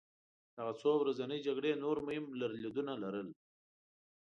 دغه څو ورځنۍ جګړې نور مهم لرلېدونه لرل.